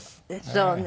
そうね。